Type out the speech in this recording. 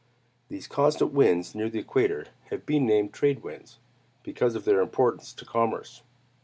These constant winds near the equator have been named trade winds, because of their importance to commerce.